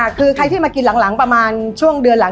คือใครที่มากินหลังหลังประมาณช่วงเดือนหลัง